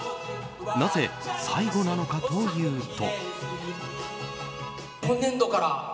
なぜ最後なのかというと。